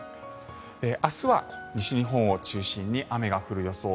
明日は西日本を中心に雨が降る予想。